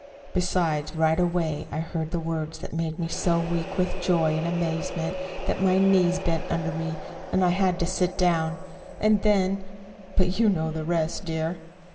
Besides, right away I heard words that made me so weak with joy and amazement that my knees bent under me and I had to sit down. And then but you know the rest, dear."